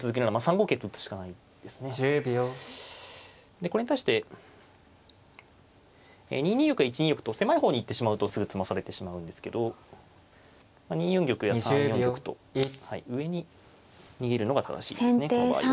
でこれに対して２二玉や１二玉と狭い方に行ってしまうとすぐ詰まされてしまうんですけど２四玉や３四玉と上に逃げるのが正しいですねこの場合は。